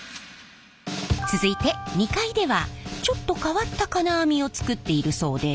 続いて２階ではちょっと変わった金網を作っているそうで。